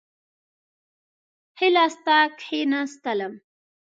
ښي لاس ته کښېنستلم.